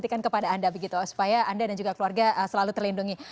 atau yang akan disentikan kepada anda supaya anda dan juga keluarga selalu terlindungi